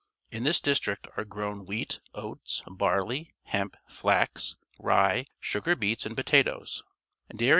In tliis district are grown wheat, oats, barley, hemp, flax, rye, sugar beets, and potatoes.